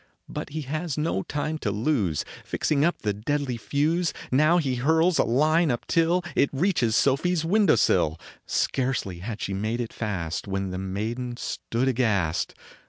But he has no time to lose ; Fixing up the deadly fuse, Now he hurls a line up till It reaches Sofie s window sill. Scarcely had she made it fast When the maiden stood aghast